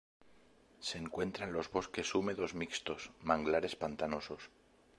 Se encuentra en los bosques húmedos mixtos, manglares pantanosos.